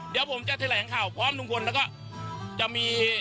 เดี๋ยวผมจะแถลงข่าวพร้อมทุกคน